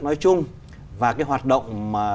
nói chung và cái hoạt động